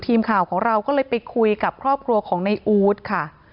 ทีมข่าวของเราก็เลยไปคุยกับครอบครัวของในอู๊ดค่ะ